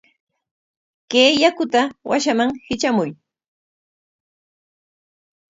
Kay yakuta washaman hitramuy.